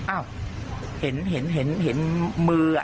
อ้าวเห็นมือ